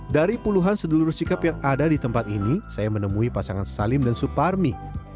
dari puluhan sedulur sikap yang ada di tempat ini saya menemui pasangan salim dan suparmi